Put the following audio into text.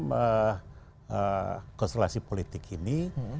dalam konstelasi politik ini